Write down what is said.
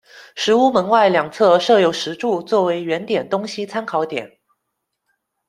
石屋门外两侧设有石柱作为原点东西参考点。